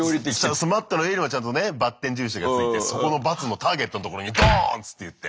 そのマットの上にもちゃんとねバッテン印が付いてそこのバツのターゲットのところにドーンっつっていって。